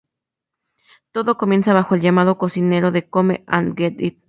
Todo comenzaba bajo el llamado del cocinero de “"come and get it!